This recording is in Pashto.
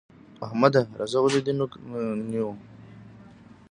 احمده! راځه ولې دې نوک نيو؟